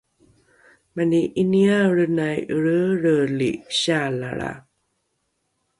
mani ’iniaelrenai elreelreeli sialalra